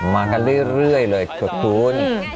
มากันเรื่อยเลยทดทุน